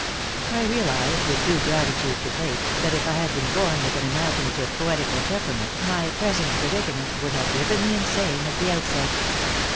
I realized, with due gratitude to fate, that if I had been born with an imaginative, poetical temperament my present predicament would have driven me insane at the outset.